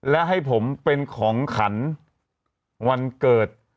และให้ผมเป็นของขันวันเกิด